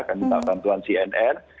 kan kita bantuan cnn